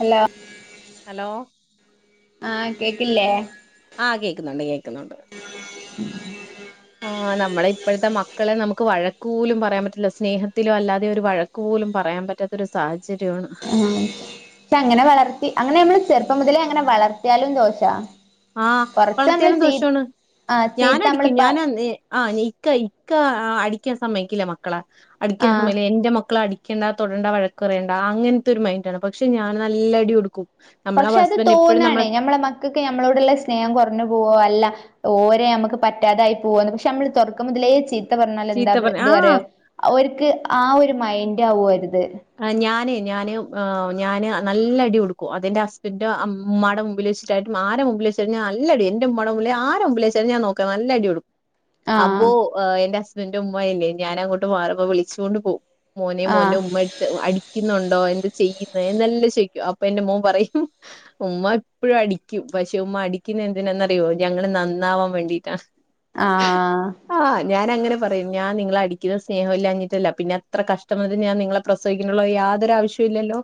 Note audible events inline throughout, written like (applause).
Hello hello ആഹ് കേക്കില്ലേ? ആഹ് കേക്കുന്നുണ്ട് കേക്കുന്നുണ്ട് ഉം ആഹ് നമ്മളെ ഇപ്പഴത്തെ മക്കളെ നമുക്ക് വഴക്കുപോലും പറയാൻ പറ്റില്ല സ്നേഹത്തിലോ അല്ലാതെയൊ ഒരു വഴക് ക്കോലും പറയാൻ പറ്റാത്തൊരു സാഹചര്യോണ് ആ പക്ഷെ അങ്ങനെ വളർത്തി അങ്ങനെ നമ്മള് ചെറുപ്പം മുതലേ അങ്ങനെ വളർത്തിയാലും ദോശ ആഹ് വളർത്തിയാലും ദോഷാണ് ആഹ് ചീത്ത നമ്മള് ഞാനടിക്കും പ ഞാനന്ന് ഏ ആ ഇക്ക ഇക്ക അടിക്കാൻ സമ്മയിക്കില്ല മക്കളെ അടിക്കാൻ ആഹ് സമ്മ എന്റെ മക്കള അടി ടിക്കണ്ട തൊടണ്ട വഴക്കുപറയണ്ട അങ്ങനത്തൊരു മൈൻഡാണ് പക്ഷെ ഞാൻ നല്ല അടി കൊടുക്കും നമ്മളെ പക്ഷെ അത് ഹസ്ബൻഡ് എപ്പോഴും തോന്നാണ് നമ്മളെ ഞമ്മളെ മക്കക്ക് ഞമ്മളോടുള്ള സ്നേഹം കുറഞ്ഞു പോവോ അല്ല ഓരെ നമ്മക്ക് പറ്റാതായി പോവോന്ന് പക്ഷെ നമ്മള് തുടക്കം മുതലേ ചീത്ത പറഞ്ഞാല് എന്താ ചീത്ത പറ ഇത് ആഹ് അറിയോ ഓരിക്ക് ആ ഒരു മൈൻഡ് ആകു ഓരത് ആ ഞാനേ ഞാന് ഞാന് നല്ല അടി കൊടുക്കും അതെന്റെ ഹസ്ബൻഡ് ഉമ്മാ ടെ മുമ്പിലെച്ചി യിട്ടും ആരെ മുമ്പിലച്ചാലും നല്ല അടി എന്റുമ്മടെ മുമ്പി ആരെ മുമ്പിലെച്ചാലും ഞാ നോക്കാ നല്ല അടി കൊടുക്കും അപ്പൊ ആഹ് എന്റെ ഹസ്ബന്റുമ്മ ഇല്ലേ ഞാന ങ്ങോട്ട് മാറുമ്പ വിളിച്ചോണ്ട് പോവും മോനെ ആഹ് മോന്റുമ്മ അ അടിക്കുന്നുണ്ടോ എന്ത് ചെയ്യുന്നെഎല്ലം ചോയിക്കും അപ്പൊ എന്റെ മോൻ പറയും ഉമ്മ എപ്പഴും അടിക്കും പക്ഷെ ഉമ്മ അടിക്കുന്ന എന്തിനാന്നറിയോ ഞങ്ങള് നന്നാവാൻ വേണ്ടിട്ടാണ് (unintelligible) ആഹ് ആഹ് ഞാനങ്ങെനെ പറയും ഞാൻ നിങ്ങളെ അടിക്കുന്ന സ്നേഹമില്ലാ ഞ്ഞിട്ടല്ല പിന്നെ അത്ര കഷ്ടം വന്നിട്ട് ഞാൻ നിങ്ങളെ പ്രസവിക്കനുള്ള യാതൊരു ആവശ്യോം ഇല്ലല്ലോ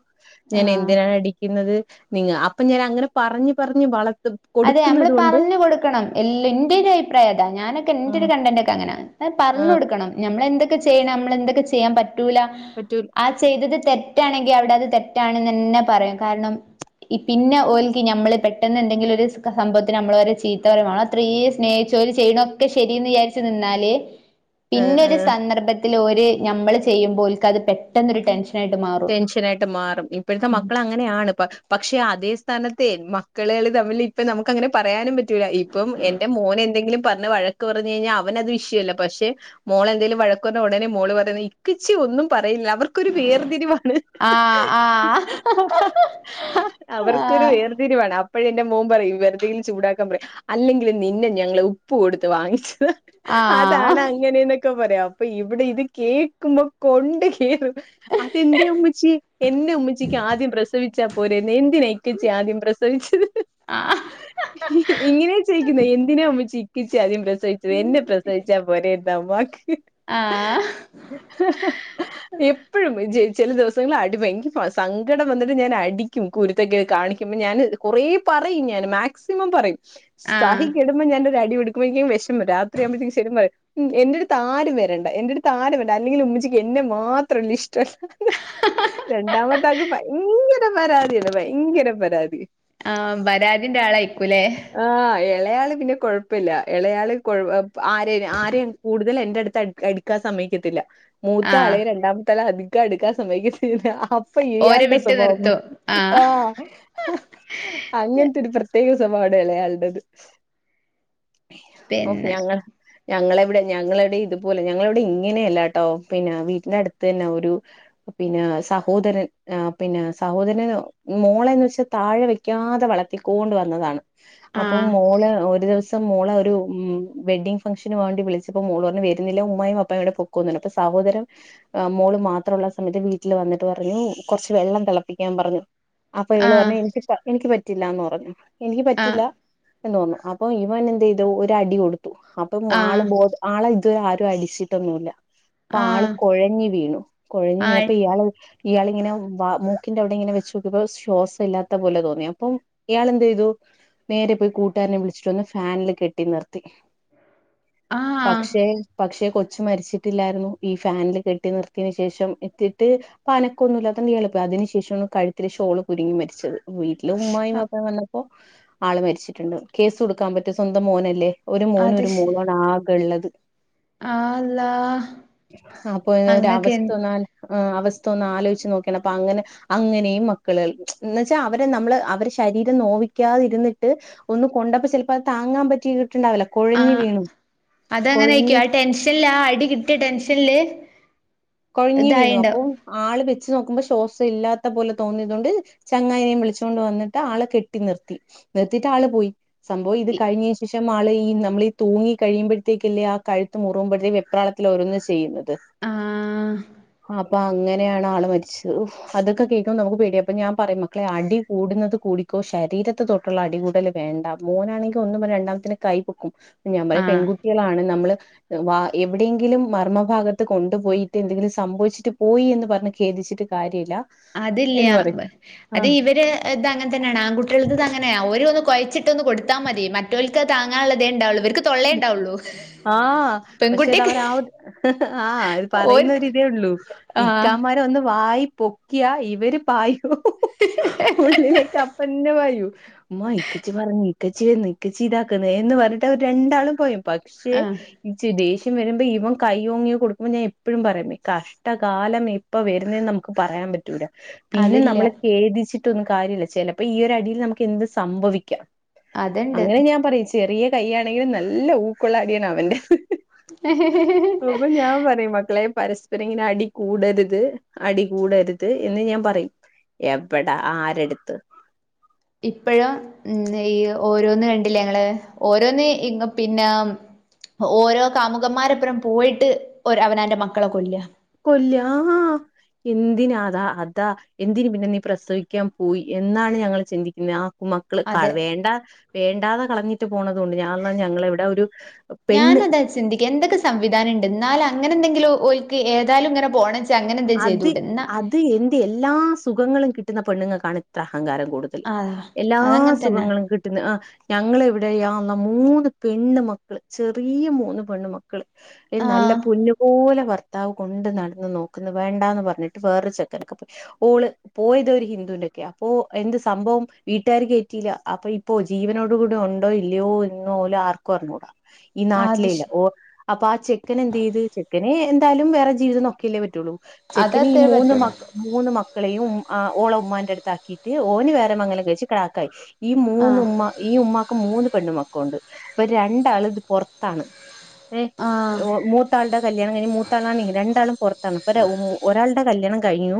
ഞാൻ ആഹ് എന്തിനാണ് അടിക്കുന്നത് നിങ്ങ അപ്പൊ ഞാൻ അങ്ങനെ പറഞ്ഞ് പറഞ്ഞ് വളത്തും അതെ നമ്മള് പറഞ്ഞു കൊടുക്കണം എല്ലു ന്റെ ഒരു അഭിപ്രായ താ ഞാനൊക്കെ എന്റെ ഒരു ആഹ് കണ്ടന്റൊക്കെ അങ്ങന പറഞ്ഞ് ആഹ് കൊടുക്കണം നമ്മള് എന്തൊക്കെ ചെയ്യണം നമ്മള് എന്തൊക്കെ ചെയ്യാൻ പറ്റൂല പറ്റു ആ ചെയ്തത് തെറ്റാണെങ്കി അവിടെ അത് തെറ്റാണന്നന്നെ പറയും കാരണം ഈ പിന്നെ ഓൽക്കി ഞമ്മള് പെട്ടെന്ന് എന്തെങ്കിലൊരി സംഭവത്തിന് നമ്മള് വരെ ചീത്ത പറീമ്പം അത്രീ സ്നേഹിച്ചോര് ചെയ്യണൊക്കെ ശരീ ന്ന് വിചാരിച്ചു നിന്നാല് (unintelligible) പിന്നൊരു ആഹ് സന്ദർഭത്തില് ഓര് നമ്മള് ചെയ്യുമ്പോൽ ക്ക് അത് പെട്ടെന്നൊരു ടെൻഷൻ- ടെൻഷനായിട്ട് മാറും ഇപ്പഴത്തെ മക്കള അങ്ങനെ യാണ് പക്ഷെ അതേ സ്ഥാനത്തെ മക്കളള് തമ്മില് ഇപ്പ നമുക്ക് അങ്ങനെ പറയാനും പറ്റ റ്റു ഇപ്പം എന്റെ മോനെന്തെങ്കിലും പറഞ്ഞ വഴക്ക് പറഞ്ഞ് കഴിഞ്ഞാ അവനത് വിഷയല്ല പക്ഷെ മോളെന്തേലും വഴക്കു റഞ്ഞ ഉടനെ മോള് പറയുന്നത് ഇക്കുച്ചി ഒന്നും പറയില്ല അവർക്കൊ തിരിവാണ് ആഹ് ആഹ് ഹ. അവർക്കൊരു ആഹ് വേർതിരിവാണ് അപ്പഴേന്റെ മോൻ പറയും വെർതെയിൽ ചൂടാക്കാ പറയും അല്ലെങ്കിലും നിന്നെ ഞങ്ങള് ഉപ്പ് കൊടുത്ത് വാങ്ങിച്ച് അതാണ് ആഹ് അങ്ങനെന്നൊക്കെ പറിം. അപ്പൊ ഇവിടെ ഇത് കേക്കുമ്പോ കൊണ്ട് കേറും അതെന്തെ ഉമ്മച്ചി എന്നെ ഉമ്മച്ചിക്ക് ആദ്യം പ്രസവിച്ചാ പോരായ്ന്നോ ന്തിനാ ഇക്കച്ചിയെ ആദ്യം പ്രസവിച്ചത് ആഹ് ഇങ്ങനെ ചോയ്ക്കുന്നെ എന്തിനാ ഉമ്മച്ചി ഇക്കച്ചിയെ ആദ്യം പ്രസവിച്ചത് എന്നെ പ്രസവിച്ചാ പോരായ്ന്നോ ഉമ്മാക്ക് ആഹ് എപ് എപ്പോഴും ചി ചെല ദിവസങ്ങളില് അടി ഭയയങ്കരാ. സങ്കടം വന്നിട്ട് ഞാൻ അടിക്കും കുരുത്തക്കേ കാണിക്കുബോ ഞാന് കൊറേ പറയും ഞാൻ. മാക്സിമം പറയും. ആഹ് സഹിക്കെടു ബൊ ഞാനൊരു അടി കൊടുക്കും. എനിക്ക് അങ്ങ് വിഷമാ രാത്രിയാകുമ്പഴത്തേകും ശരും പറയാ ഉം എന്റെട്ത്താരും വരണ്ട. എന്റെട്ത്താരും വരണ്ട അല്ലെങ്കിലും ഉമ്മിച്ചിക്ക് എന്നെ മാത്രല്ല ഇഷ്ട്ടല്ല രണ്ടാമത്തെ ആക്ക് ഭയങ്കര പരാതിയാണ് ഭയങ്കര പരാതി ആഹ്. പരാതിന്റെ ആളായികുലേ ആഹ് എളയാള് പിന്നെ കൊഴ്പ്പല്ല. എളയാള് കൊഴ് ആരേന ആരെ കൂടുതല് എന്റെ അട്ത്ത് അട്ക്കാൻ സമ്മയ്ക്കത്തില്ല. ആഹ് മൂത്തആളെയും രണ്ടാമത്തെ ആള് അധികം അട്ക്കാൻ സമ്മയ്ക്കത്തില്ലാ. അപ്‌ പൊ ഓരെ ഈയ്യാൾടെ വിട്ട് സ്വഭാവം. നിർത്തും ആഹ് അങ്ങൻത്തെ ഒരു പ്രത്യേക സ്വഭാവാണ് ഇളയാൾടേത് ഓഹ് പിന്നെ ഞങ്ങൾ ഞങ്ങളെവിടെ ഞങ്ങളെവിടെ ഇതുപോലെ ഞങ്ങളെവിടെ ഇങ്ങനെയല്ലാട്ടോ പിന്നെ വീട്ടിന്റെ അടുത്തന്നെ ഒരു പിന്നെ സഹോദരൻ ആഹ് പിന്നെ സഹോദരനൊ മോളെന്ന് വെച്ചാ താഴെ വെക്കാതെ വളത്തിക്കോണ്ട് വന്നതാണ്. അപ്പം ആഹ് മോള് ഒരു ദിവസ സം മോളെ ഒരു വെഡ്ഡിംഗ് ഫംഗ്ഷന് വേണ്ടി വിളിച്ചപ്പോ മോള്പർഞ്ഞു വര്ന്നില്ല ഉമ്മായും വാപ്പായൂടെ പോ ക്കോന്ന് പർഞ്ഞ്. അപ്പൊ സഹോദരൻ മോള് മാത് ത്രള്ള സമയത്ത് വീട്ടില് വന്നിട്ട് പറഞ്ഞു കൊർച്ച് വെള്ളം തെളപ്പിക്കാൻ പറഞ്ഞ് അപ്പൊ ഇവള് ആഹ് പറഞ്ഞ് എനിക്ക് പ എനിക്ക് പറ്റില്ലാന്ന് പറഞ്ഞ് എനിക്ക് ആഹ് പറ്റില്ല ന്ന് പർഞ്ഞു. അപ്പൊ ഇവനെന്തെയ്തു ഒരടി കൊടുത്തു. അപ്പം ആള് ആഹ് ബോധം ആളെ ഇത് വരെ ആരും അടിച്ചിട്ടൊന്നുല്ല. അപ്പൊ ആള് ആഹ് കൊഴഞ്ഞ് വീണു. കൊഴഞ്ഞ് ആയി വീണപ്പ ഇ യാള് ഇയാള് ഇങ്ങനെ വാ മൂക്കിന്റെ അവ്ടെ ഇങ്ങനെ വെച്ചോക്കിയപ്പൊ ശ്വാസംല്ലാത്ത പോലെ തോന്നി അപ്പൊ ഇയാളെന്തെയ്തു നേരെ പോയി കൂട്ടുകാരനെ വിളിച്ചിട്ട് വന്ന് ഫാനില് കെട്ടി നിർത്തി ആഹ് പക്ഷേ പക്ഷെ കൊച്ച് മരിച്ചിട്ടില്ലായിരുന്നു ഈ ഫാനില് കെട്ടി നിർത്തി യേന് ശേഷം എത്തിട്ട് ഇപ്പ അനക്കൊന്നു ഇല്ലാത്തോണ്ട് ഇയാള് പോയി. അതിനു ശേഷാണ് കഴുത്തില് ഷോള് കുരുങ്ങി മരിച്ചത് വീട്ടില് ഉമ്മായും വാപ്പായും വന്നപ്പോ ആള് മരിച്ചിട്ടുണ്ട് കേസ് കൊടുക്കാൻ പറ്റൊ സ്വന്തം മോനല്ലേ ഒരു മോനും അത് ഒരു ശെ മോളുവാണ് ആകെ ള്ളത് ആള്ളാ അപ്പോ ഒരു അങ്ങക്ക് ഒരവസ് എൻ ല് ആ അവസ്ഥ ഒന്ന് ആലോയ്ച്ച് നോക്കിയാണ്. അപ്പൊ അങ്ങനെ അങ്ങനെയും മക്കള്കൾ. ന്ന് വെച്ച അവരെ നമ്മള് അവരെ ശരീരം നോവിക്കാതിരുന്നിട്ട് ഒന്ന് കൊണ്ടപ്പോ ചെൽപ്പോ അത് താങ്ങാൻ പറ്റീട്ടുണ്ടാവൂല്ല ആഹ്. അത് അങ്ങനെയിക്കും ആ ടെൻഷൻല് ആ അടി കിട്ടിയ ടെൻഷൻല് കൊഴഞ്ഞ് വീണു. അപ്പൊ ആള് വെച്ച് നോക്കുമ്പോ ശ്വാസം ഇല്ലാത്ത പോലെ തോന്നിയതോണ്ട് ചങ്ങായിനിം വിളിച്ചോണ്ട് വന്ന്ട്ട് ആള് കെട്ടി നിർത്തി. നിർത്തിട്ട് ആള് പോയി സംഭവം ഇത് കഴിഞ്ഞ് ശേഷമാള് ഈ നമ്മളീ തൂങ്ങി കഴിയുമ്പഴ്ത്തേക്കല്ലേ ആ കഴുത്ത് മുറുകുമ്പഴ്ത്തേക്ക് വെപ്രാളത്തില് ഓരോന്ന് ചെയ്യുന്നത് ആഹ് അപ്പൊ അങ്ങനെയാണ് ആള് മരിച്ചത്. അതൊക്കെ കേക്കുമ്പോ നമുക്ക് പേടിയ. അപ്പൊ ഞാൻ പറയും മക്കളെ അടി കൂടുന്നത് കൂടിക്കോ ശരീരത്തെ തൊട് ട്ടുള്ള അടി കൂടല് വേണ്ട. മോനാണെങ്കി ഒന്ന് പറഞ്ഞ രണ്ടാമത്തെന് കൈ പൊക്കും ഞാൻ പറയും ആഹ് പെൺകുട്ട്യോളാണ്. നമ്മള് വാ എവിടെയെങ്കിലും മർമ ഭാഗത്ത് കൊണ്ട്പോയി ട്ട് എന്തെങ്കിലും സംഭവിച്ചിട്ട് പോയി എന്ന് പറഞ്ഞ് ഖേദിച്ചിട്ട് കാര്യല്ല അതില്ല്യ. അത് ഇവര് ഇത് അങ്ങനെതന്നെയാണ് ആൺകുട്ട്യാൾതിത് അങ്ങനെയ ഓര് ഒന്ന് കൊയച്ചിട്ടൊന്ന് കൊടു ത്താ മതി മറ്റോൽക്ക് അത് താങ്ങാനുള്ളതേണ്ടാവുള്ളൂ ഇവര്ക്ക് തൊള്ളേണ്ടാവുള്ളു. ആഹ് പക്ഷേ അത് അവര് ആ ഒരു ആ ഇത് പറയുന്ന ഓര്ക്ക് ഒരിതേ ഉള്ളൂ. ആഹ് ഇക്കാമാരൊന്ന് വായി പൊക്കിയാ ഇവര് പായും. ഉള്ളിലേക്ക് അപ്പന്നെ പായൂ. മ്മാ ഇക്കച്ചി പറഞ്ഞു ഇക്കച്ചി വര്ന്ന് ഇക്കച്ചി ഇതാക്കുന്നു എന്ന് പറഞ്ഞിട്ട് അവര്. രണ്ടാളും പായും പക്ഷെ ആഹ് ച്ചി ദേഷ്യം വരുമ്പോ ഇവൻ കൈയോങ്ങി കൊടുക്കുമ്പോൾ ഞാൻ എപ്പോഴും പറയും കഷ്ടകാലം എ പ്പൊ വരുന്നേന്ന് നമുക്ക് പറയാൻ പറ്റൂല. പിന്നെ അതില്ല നമ്മള് ഖേദിച്ചിട്ടൊന്നും കാര്യല്ല ചെലപ്പൊ ഈ ഒരു അടിയിൽ നമുക്ക് എന്തും സംഭവിക്കാം. അതുണ്ട് അങ്ങനെ ഞാൻ പറയും ചെറിയ കയ്യാണെങ്കിലും നല്ല ഊക്കൊള്ളടിയാണ് അവന്റെ. അപ്പൊ ഞാൻ പറയും മക്കളെ പരസ് പരം ഇങ്ങനെ അടി കൂടരുത്, അടികൂടരുത് എന്ന് ഞാൻ പറയും. എവടാ ആരെടുത്ത്. ഇപ്പഴ് ഈ ഓരോന്നും കണ്ടില്ലേ ങ്ങള് ഓരോന്ന് ഇ പിന്നെ. ഓരോ കാമുകന്മാരപ്പൊരം പോയിട്ട് അവനാന്റെ മക്കളെ കൊല്ല. കൊല്ലാ ആഹ്. എന്തിനാതാ അതാ എന്തിന് പിന്നെ നീ പ്രസവിക്കാൻ പോയി എന്നാണ് ഞങ്ങള് ചിന്തിക്കുന്നേ ആഹ്. മക്കള് അതെ വേണ്ടാ വേണ്ടാതെ കളഞ്ഞിട്ട് പോണതുംണ്ട് ഞൻ ഞങ്ങള ഇവിടെ ഒരു. ഞാന പെണ്ണ് അതാ ചിന്തിക്ക എന്തൊക്കെ സംവിധാനം ഉണ്ട് എന്നാൽ അങ്ങനെ എന്തെങ്കിലും ഒല്ക്ക് ഏതായാലും ഇങ്ങനെ പോണം. അത് അത് എന്റെ എല്ലാ സുഖങ്ങളും കിട്ടുന്ന പെണ്ണുങ്ങൾക്കാണ് ഇത്ര അഹങ്കാരം കൂടുന്നത്. ആ എല്ലാ അതങ്ങനെ തന്നെ സുഖങ്ങളും കിട്ടുന്ന ആഹ്. ഞങ്ങള് ഇവിടെ യാ അള്ളാ മൂന്ന് പെണ്ണ് മക്കള് ചെറിയു മൂന്ന് പെണ്ണ് മക്ക. ക്കൾ എ ആ നല്ല പൊന്നുപോലെ ഭർത്താവ് കൊണ്ട് നടന്ന് നോക്ക. ന്ന് വേണ്ടാന്ന് പറഞ്ഞിട്ട് വേറ ചെക്കനൊക്ക് പോയി ഓള്. പോയത് ഒരു ഹിന്ദുവിന്റെക്കെ അപ്പൊ എന്ത് സംഭവം വീട്ടുകാർ കേറ്റിയില്ല അപ്പൊ. ഇപ്പോ ജീവനോടു കൂടി ഉണ്ടോ ഇല്ലയോ എന്ന് പോലും ആർക്കും അറിഞ്ഞൂടാ. ഈ അത് നാട്ടിലേ ഇല്ല ശരി ഓ അപ്പൊ ആ ചെക്കൻ എന്ത് ചെയ്ത് ചെക്കന് എന്തായാലും വേറെ ജീവിതം നോക്കെയില്ലേ പറ്റ. റ്റൂള്ളൂ. ചെക്കന് ഈ അതത്രേ മൂന്ന് മ. പറ്റുള്ളൂ മൂന്ന് മക്കളെയും ഉംഹ് ആ ഓള ഉമ്മാൻന്റെടുത്താക്കിയിട്ട് ഓന് വേറെ മംഗംലം കഴിച്ച് കെടാക്കായി. ഈ ആ മൂന്ന് ഉമ്മ ഈ ഉമ്മാക്ക് മൂന്ന് പെണ്ണുമക്കളുണ്ട്. ഇവർ രണ്ടാളും പൊറത്താണ്. ഏഹ് ആ ഓ മൂത്താളുടെ കല്യാണം കഴിഞ്ഞ് മൂത്താളാണി രണ്ടാളും പൊറത്ത്. ത്താണ്. ഒരാളുടെ കല്യാണം കഴിഞ്ഞു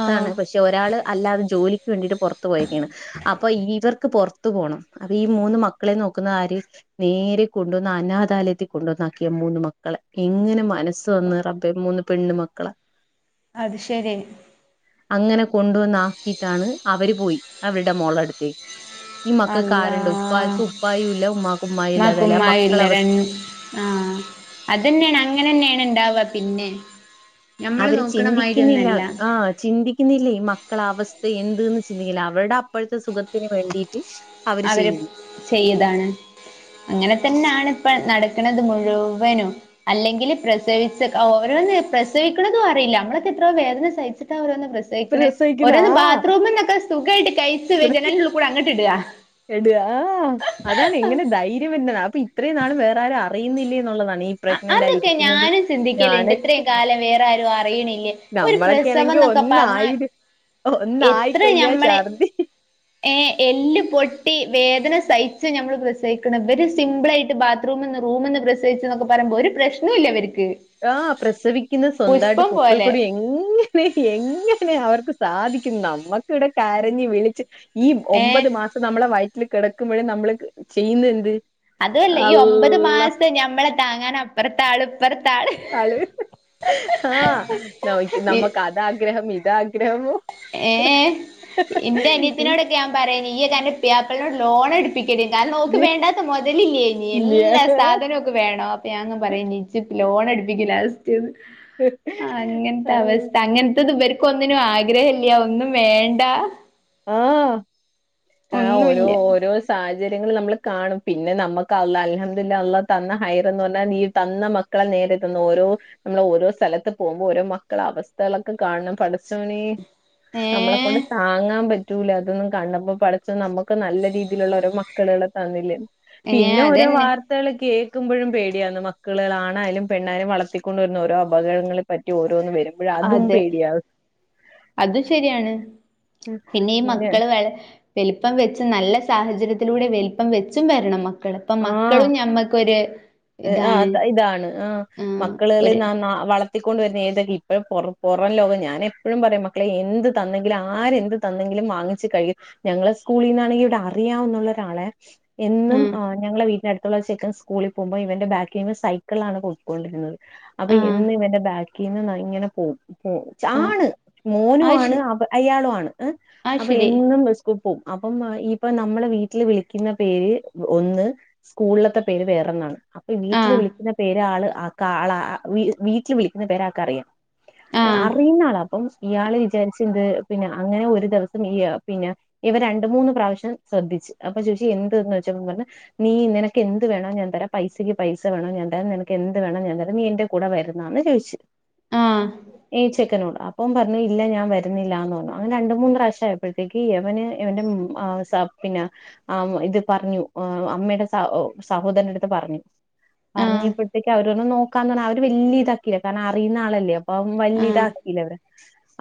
ആ പക്ഷെ ഒരാൾ അല്ലാതെ ജോലിക്ക് വേണ്ടിട്ട് പൊറ്ത്ത് പോയേക്കാണ്. അപ്പൊ ഇ ഇവർക്ക് പൊറ്ത്തു പോണം അപ്പൊ ഈ മൂന്ന് മക്കളേം നോക്കുന്നത് ആര്. നേരെ കൊണ്ടുവന്ന് അനാഥാലയത്തിൽ കൊണ്ടുവന്നാക്കി ആ മൂന്ന് മക്കളെ എങ്ങനെ മനസ്സ് വന്ന് റ. ബ്ബേ മൂന്ന് പെണ്ണ്മക്കളേ. അത് ശരി. അങ്ങനെ കൊണ്ടുവന്നാക്കിട്ടാണ് അവര് പോയി അവരുടെ മോളടുത്തേക്ക്. ഈ മക്കക്ക് അള്ളാ ആരുണ്ട് ഉപ്പായക്ക് ഉപ്പായും ഇല്ല ഉമ്മാക്ക് ഉമ്മായും ഇല്ലാതായീലേ ആ മക്കള അവസ്ഥ. ആഹ് അതന്നെയാണ് അങ്ങനെന്നെയാണ് ണ്ടാവ പിന്നെ. ഞമ്മള് അവര് നോക്കണ മാതിരി ചിന്തിക്കുന്നില്ല ഒന്നല്ല ആഹ് ചിന്തിക്കുന്നില്ലേ മ. ക്കള അവസ്ഥ എന്ത്ന്ന് ചിന്തിക്കുന്നില അവരുടെ അപ്പഴത്തെ സുഖത്തിന് വേണ്ടീട്ട്. അവര് ചെയ്താണ് അങ്ങനെ തന്നെ ആണ്. ഇപ്പ നടക്കുന്നത് മുഴുവനും. അല്ലെങ്കിൽ പ്രസവിച്ച ഓരോന്ന് പ്രസവിക്കുന്നതും അറിയില്ല നമ്മളൊക്കെ എത്ര വേദന സഹിച്ചിട്ടാണ് ഓരോന്ന് പ്രസ. സവിക്ക്ണ് പ്രസവിക്കുന്ന ഓരോ ന്ന് ആഹ് ബാത്റൂമന്നൊക്കെ സുഖായിട്ട് കഴിച്ച് വ ജനൽന്റെ ഉള്ള്കൂടെ അങ്ങട്ടിട. ഇട ആഹ് അതാണ് എങ്ങനെ ധൈര്യം വര്ന്ന്ന്ന അപ്പൊ ഇത്രയും നാളും വേറെ ആരും അറിയുന്നില്ലേ എന്നുള്ളതാണ്ണീ. അ- പ്രഗ്നന്റ് അതൊക്കെ ആയിരിക്കുന്നത്. ഞാനും ചിന്തിക്കലുണ്ട് ഞാനൊക്കെ ഇത്രയും കാലം വേറെ ആരും അറിയണില്ലേ ഒരു നമ്മളൊ. എനിക്ക് പ്രസവം ആണെങ്കിൽ എന്നൊക്കെ പറഞ്ഞാൽ ഒന്നായിന് ഒന്നായി കഴിഞ്ഞാൽ ഛർദി. ഏഹ എല്ല് പൊട്ടി വേദന സഹിച്ച് നമ്മൾ പ്രസവിക്കണ് ഇവര് സിമ്പിൾ ആയിട്ട് ബാ റൂമ്ന്ന് റൂമ്ന്ന് പ്രസവിച്ചു എന്നൊക്കെ പറയ്പോ ഒരു പ്രശ്നവും ഇല്ല ഇവര്ക്ക്. ആഹ് പ്രസവിക്കുന്ന സ്വന്തമായിട്ട് പുക്കൾ പോലെ കുടി എങ്ങ എങ്ങനെ അവർക്ക് സാധിക്കും നമ്മക്കി ഇവ്ടെ കരഞ്ഞു വിളിച്ച്. ഈ ഏ ഒമ്പത് മാസം നമ്മളെ വയറ്റില് കിടക്കുമ്പോഴേ നമ്മള് ചെയ്യുന്നു എന്ത്? അതുഅല്ല ഈ ഒമ്പത് അള്ള മാസം ഞമ്മളെ താങ്ങാന അപ്പറത്താള് ഇപ്പറത്താള്. അളു ആഹ നമ്മക്കദാ ആഗ്രഹം ഇതാക് ഏഹ് ഇന്റെ അനിയത്തിനോടൊക്കെ ഞാൻ പറയ്ന് ഇയ്യാക്കെ അന് പിയാപ്പിളനോട് ലോൺ എടു തിക്ക കാരണം ഓക്ക് വേണ്ടാത്ത മുതലില്ലേയ്നി എല്ലാ സാധനവും ഓക് വേണോ അപ്പ ഞാനിങ്ങനെ പറയേനി ചിപ് ലോണെടുപ്പിക്കും ലാസ്റ്റ് ദ്അങ്ങനത്തെ അവസ്ഥ അങ്ങനത്തത് ഇവര് ഒന്നിനും ആഗ്രഹമില്ല ഒന്നും വേണ്ട. ആഹ് ആഹ് ഓരോ ഒന്നുല്ല ഓരോ സ് സാഹചര്യങ്ങൾ നമ്മൾ കാണും പിന്നെ നമുക്ക് അള്ള അൽഹംദുലില്ലാ അള്ള തന്ന ഹൈർ എന്ന് പറഞ്ഞാൽ നീ തന്ന മ ക്കളെ നേരെ തന്ന് ഓരോ നമ്മള് ഓരോ സ്ഥലത്ത് പോകുമ്പോൾ ഓരോ മക്കളെ അവസ്ഥകളൊക്കെ കാണണം പട ച്ചോനേ ഏ നമ്മളെ കൊണ്ട് താങ്ങാൻ പറ്റ റ്റൂല അതൊന്നും കണ്ടണപ്പോ പടച്ചോൻ നമ്മുക്ക് നല്ല രീതിയിലുള്ള ഓരോ മക്കളേളെ തന്നില്ലേ? ഏ പിന്നെ ഓരോ അതന്നെ വാർ ത്തേള് കേൾക്കുമ്പൊഴും പേടിയാന്ന് മക്കളേള് ആണായാലും പെണ്ണായാലും വളർത്തിക്കൊണ്ടുവരുന്ന ഓരോ അപകടങ്ങളെ പറ്റി ഓരോന്ന് വരും. അതെ അതും ശരിയാണ് പിന്നെ ഇ ഈ മക്കൾ വെ വലുപ്പം വെച്ച് നല്ല സാഹചര്യത്തിലൂടെ വലിപ്പം വെച്ചും വരണം മക്കള്. അപ്പൊ ആഹ് മക്കളും നമ്മക്കൊരു ആഹ് ഇതാണ് ആ ഒരു മക്കളേളീം നന വള ത്തിക്കൊണ്ട് വരുന്ന ഏതൊ ഇപ്പഴും പുറം ലോകം ഞാനെപ്പോഴും പറയും മക്കളെ എന്ത് തന്നെങ്കിലും ആരെന്ത് തന്നെങ്കിലും വാങ്ങിച്ച് കഴി ഞങ്ങളെ സ്കൂളി ന്നാണെങ്കിൽ ഇവിടെ അറിയാവുന്നുള്ളൊരാളെ എന്നും ആഹ് ആ ഞങ്ങള വീട്ടിനടുത്തുള്ള ചെക്കൻ സ്കൂളിൽ പോകുംപോ ഇവന്റെ ബാക്കീന്ന് സൈ ക്കള്ലാണ് പോയ്ക്കൊണ്ടിരുന്നത് അപ്പൊ ആഹ് എന്ന് ഇവന്റെ ബാക്കീന്ന് ഇങ്ങനെ പോവും പോ ച്ച ആഹ് ആണ് മോനു അത് ശ ആണ് അവ അയാളു ആണ് ഇഹ് അത് അപ്പൊ ശരി. എന്നും സ് പ്പും അപ്പം ഇപ്പൊ നമ്മളെ വീട്ടില് വിളിക്കുന്ന പേര്. ഒ ഒന്ന് സ്കൂളിലത്തെ പേര് വേറൊന്നാണ് അപ്പൊ വീട്ടിൽ ആഹ് വിളിക്കുന്ന പേര് ആള് ആ കാളാ വീ വീട്ടിൽ വിളിക്കുന്ന പേരാക്കറിയാം ആഹ് അറിയുന്ന ആളാ അപ്പം. ഇയാള് വിചാരിച്ചെന്ത് പിന്നെ അങ്ങനെ ഒരു ദിവസം ഈ യാ പിന്നെ. ഇവൻ രണ്ട് മൂന്ന് പ്രാവശ്യം ശ്രദ്ധിച്ച് അപ്പൊ ചോയ്ച്ച് എന്ത്ന്നൊയ്ച്ചപ്പൊ പറഞ്ഞ് ഹ്. നീ നിനക്കെന്ത് വേണോ ഞാൻ തരാം പൈസക്ക് പൈസ വേണോ ഞാൻ തരാം നിനക്ക് എന്ത് വേണം ഞാൻ തരാം നീ എന്റ് കൂടെ വരുന്നോന്ന് ചോയ്‌ച്ച് ആഹ് ഈ ചെക്കനോട് അ ഓം പറഞ്ഞു ഇല്ല ഞാൻ വരുന്നില്ലാന്ന് പറഞ്ഞു അങ്ങനെ രണ്ട് മൂന്ന് പ്രാവശ്യം ആയപ്പോഴത്തേക്ക് എവന് ഇവന്റെ മ് ആഹ് സ പിന്നെ ആ വ് ഇത്. പറഞ്ഞു അമ്മയുടെ സഹോദരന്റെ അടുത്ത് പറഞ്ഞു ആഹ് പറഞ്ഞപ്പോഴത്തേക്ക് അവ ര്ന്ന് നോക്കാന്ന് പറഞ് അവര് വല്ലീ താക്കീല്ല കാരണം അറിയുന്ന ആളല്ലേ അപ്പൊ വലി ആഹ് ഇതാക്കിയില്ലേ അവര്.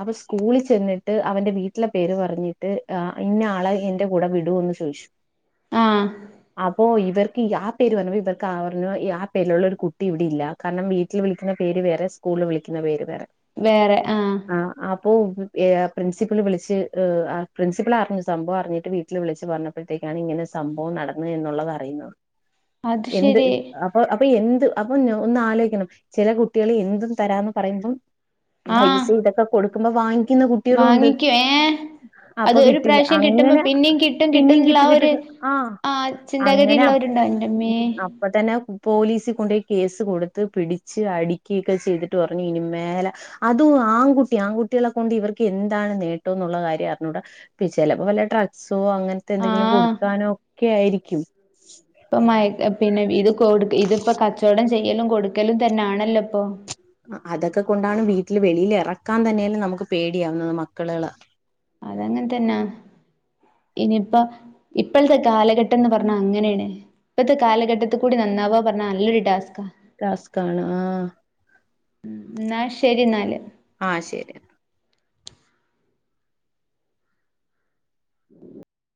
അപ്പൊ സ്കൂളിൽ ചെന്നിട്ട് അവന്റെ വീട്ടിലെ പേര് പറഞ്ഞിട്ട് ആ ഇന്ന ആളെ എന്റെ കൂടെ വിടോന്ന് ചോയ്ച്ചു. ആഹ്. അപ്പൊ ഇവർക്ക് ഇ ആ പേര് പറഞ്ഞപ്പൊ ഇവർക്ക് ആ വർഞ്ഞു ഇ ആ പേരിലുള്ള ഒരു കുട്ടി ഇവിടെ ഇല്ലാ. കാരണം വീട്ടിൽ വിളിക്കുന്ന പേര് വേറെ സ്കൂളിൽ വിളിക്കുന്ന പേര് വേറെ വേറെ ആഹ്. അപ്പൊ വ് ഏ പ്രിൻസിപ്പിൾ വിളിച്ച് ഈ ആ പ്രിൻസിപ്പിൾ അറിഞ് സംഭവം അറിഞ്ഞിട്ട് വീട്ടിൽ വിളിച്ച് പറഞ്ഞ. പ്പോഴത്തേക്കാണ് ഇങ്ങനെ സംഭവം നടന്ന് എന്നുള്ളത് അറിയുന്നത് അത് എന്ത് ശരി. അ ഓ അപ്പോ എന്ത് അപ്പൊന്ന് ഒന്ന് ആലോയ്ക്കണം. ചെലേ കുട്ട്യാള് എന്തും തരാന്ന് പറയുമ്പോ. ആഹ് പൈസീം ഇതൊക്കെ കൊടുക്കുമ്പോ വാങ്ങിക്കുന്ന കുട്ട്യേളും ഉണ്ട്. വാങ്ങിക്കും ഏ അപ്പൊ അത് ഒരു വിട്ടില്ല പ്രാവശ്യം കിട്ടുമ്പോ അങ്ങനെ പിന്നെയും കിട്ടും പിന്നെയും കിട്ടുംന്നുള്ള കിട്ട് ആ കിട്ട് ഒരു ആഹ് ആ അങ്ങനെ അപ് ചിന്താഗതിയുള്ളവരുണ്ടോ എന്റമ്മേ അപ് അപ്പൊ തന്നെ പോലീസിൽ കൊണ്ടോയി കേസ് കൊടുത്ത് പിടിച്ച് അടുക്കിക്കെ ചെയ്തിട്ട് പറഞ്ഞു ഇനിമേല അതും ആൺകുട്ടി ആൺകുട്ടികളെ കൊണ്ട് ഇവർക്ക് എന്താണ് നേട്ടം എന്നുള്ള കാര്യം അറിഞ്ഞൂട ചെലപ്പോ വല്ല ഡ്രഗ്സോ അങ്ങനത്തെ എന്തെങ്കിലും ആഹ് കൊടുക്കാനോ ഒക്കെ ആയിരിക്കും ഇപ്പൊ മ പിന്നെ ഇത് കൊടു ഇതിപ്പോ കച്ചവടം ചെയ്യലും കൊടുക്കലും തന്നൊണല്ലോ ഇപ്പൊ അതൊക്കെ കൊണ്ടാണ് വീട്ടില് വെളിയിൽ ഇറക്കാൻ തന്നെ നമുക്ക് പേടിയാവുന്നത് മക്കളുകളെ അതങ്ങനെ തന്നെ ഇനിയിപ്പ ഇപ്പോളെത്തെ കാലഘട്ടം എന്ന് പറഞ്ഞാ അങ്ങനെയാണ് ഇപ്പഴത്തെ കാലഘട്ടത്തി കൂടി നന്നാവാന്ന് പറഞ്ഞാ നല്ലൊരു ടാസ്ക ടാസ്കാണ് ആഹ് എന്നാൽ ശരി എന്നാല് ആഹ് ശരി ഉം